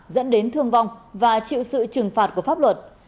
dẫn đến thương vong và chịu sự trừng phạt của pháp luật